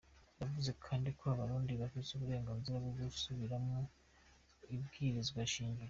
Yavuze kandi ko abarundi bafise uburenganzira bwo gusubiramwo ibwirizwa shingiro.